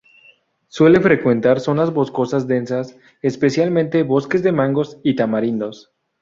Suele frecuentar zonas boscosas densas, especialmente bosques de mangos y tamarindos.